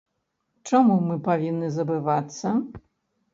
Чаму мы павінны забывацца?